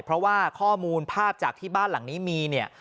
เพราะว่าข้อมูลภาพจากที่บ้านหลังนี้มีเนี่ย